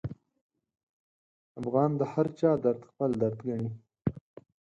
افغان د هرچا درد خپل درد ګڼي.